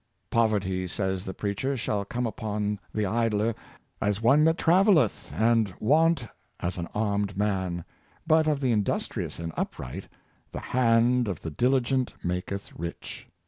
Poverty, says the preacher, shall come upon the idler, " as one that traveleth, and want as an armed man; " but of the industrious and upright, " the hand of the diligent maketh rich."